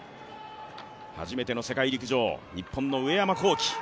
初めての世界陸上日本の上山紘輝。